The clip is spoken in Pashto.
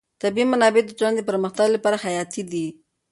طبیعي منابع د ټولنې د پرمختګ لپاره حیاتي دي.